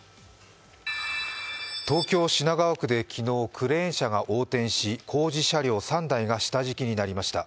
東京・品川区で昨日、クレーン車が横転し工事車両３台が下敷きになりました